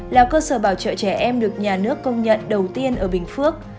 là cơ sở bảo trợ trẻ em được nhà nước công nhận đầu tiên ở bình phước